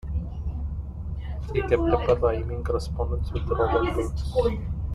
He kept up a rhyming correspondence with Robert Burns.